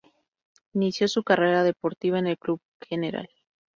Inició su carrera deportiva en el Club Gral.